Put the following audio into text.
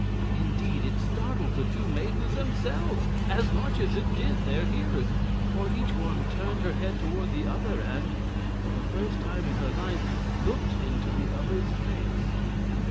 Indeed, it startled the two maidens themselves as much as it did their hearers, for each one turned her head toward the other and, for the first time in her life, looked into the other's face!